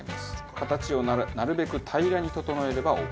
形をなるべく平らに整えればオーケー。